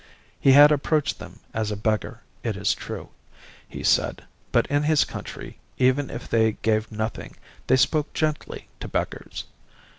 He had approached them as a beggar, it is true, he said; but in his country, even if they gave nothing, they spoke gently to beggars.